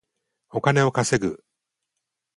お金を稼ぐ